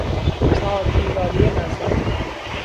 چهار دیواری مزرعه